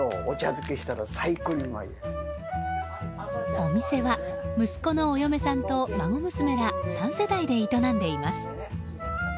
お店は、息子のお嫁さんと孫娘ら３世代で営んでいます。